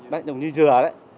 đấy là dừa đấy